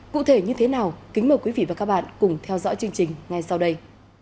cụ thể như thế nào kính mời quý vị và các bạn cùng theo dõi chương trình ngay sau đây